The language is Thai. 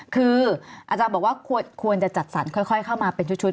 คืออาจารย์บอกว่าควรจะจัดสรรค่อยเข้ามาเป็นชุด